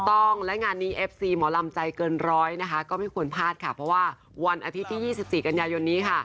ต้องและงานนี้เอฟซีหมอลำใจเกินร้อยนะคะก็ไม่ควรพลาดค่ะเพราะว่าวันอาทิตย์ที่๒๔กันยายนนี้ค่ะ